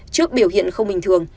trước biểu hiện không bình thường